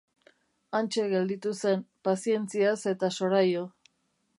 Hantxe gelditu zen, pazientziaz eta soraio.